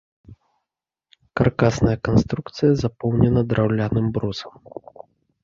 Каркасная канструкцыя запоўнена драўляным брусам.